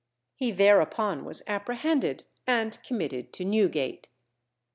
He thereupon was apprehended and committed to Newgate.